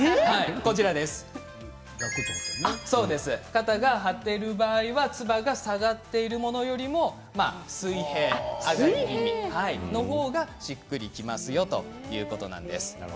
肩が張っている方はつばが下がったものより水平の方が、しっくりきますよということなんです。